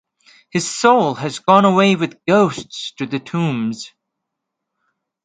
His soul has gone away with ghosts to the tombs.